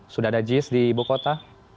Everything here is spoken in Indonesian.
sudah ada jis di bukota